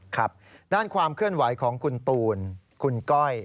ครับด้านความเคลื่อนไหวของคุณตูนคุณก้อย